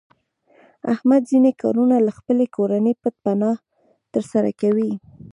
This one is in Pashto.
احمد ځنې کارونه له خپلې کورنۍ پټ پناه تر سره کوي.